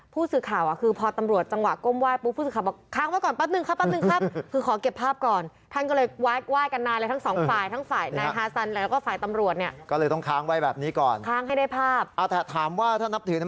ผู้สื่อข่าวคือพอตำรวจจังหวะก้มว่าย